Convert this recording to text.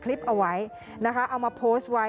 คลิปเอาไว้นะคะเอามาโพสต์ไว้